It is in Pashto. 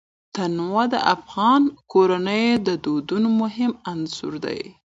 تنوع د افغان کورنیو د دودونو مهم عنصر دی.